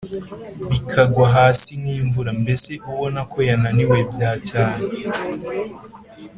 bikagwa hasi nkimvura, mbese ubona ko yananiwe byacyane